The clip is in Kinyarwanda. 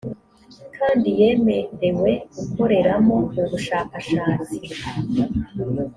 kandi yemerewe gukoreramo ubushakashatsi